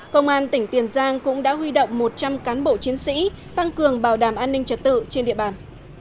công an tỉnh tiền giang cũng đã huy động một trăm linh cán bộ chiến sĩ tăng cường bảo đảm an ninh trật tự trên địa bàn